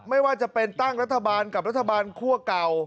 ไม่ว่าจะเป็นตั้งรัฐบาลกับรัฐบาลคั่วเก่า